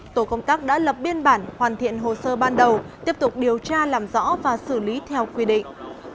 tổ công tác đã lập biên bản hoàn thiện hồ sơ ban đầu tiếp tục điều tra làm rõ và xử lý theo quy định